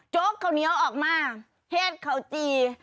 จกเขาเหนียวออกมาเห็นเขาจี่